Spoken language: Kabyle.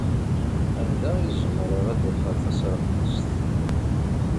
Anda ay zemreɣ ad d-afeɣ tasreqqest?